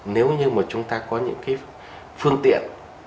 nếu như mà chúng ta có những cái phương tiện